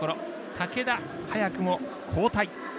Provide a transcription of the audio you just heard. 武田、早くも交代。